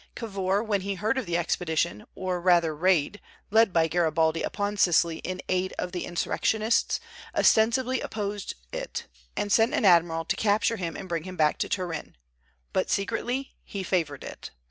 Cavour, when he heard of the expedition, or rather raid, led by Garibaldi upon Sicily in aid of the insurrectionists, ostensibly opposed it, and sent an admiral to capture him and bring him back to Turin; but secretly he favored it.